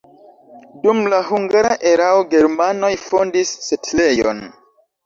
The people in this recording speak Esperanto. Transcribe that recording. Dum la hungara erao germanoj fondis setlejon.